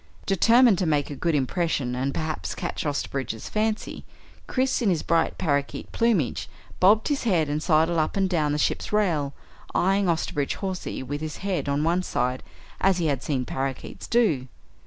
Determined to make a good impression and perhaps catch Osterbridge's fancy, Chris, in his bright parakeet plumage, bobbed his head and sidled up and down the ship's rail, eyeing Osterbridge Hawsey with his head on one side as he had seen parakeets do.